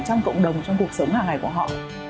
trong cộng đồng trong cuộc sống hàng ngày của họ